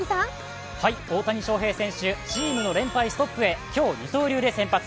大谷翔平選手、チームの連敗ストップへ今日二刀流で先発。